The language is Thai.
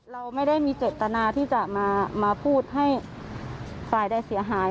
เราไม่ได้มีเจตนาที่จะมาพูดให้ฝ่ายใดเสียหาย